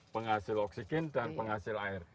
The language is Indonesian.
penghasil oksigen dan penghasil air